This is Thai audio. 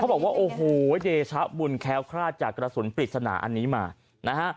บอกว่าโอ้โหเดชะบุญแค้วคลาดจากกระสุนปริศนาอันนี้มานะฮะ